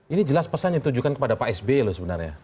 ini jelas pesan yang ditujukan kepada pak sby loh sebenarnya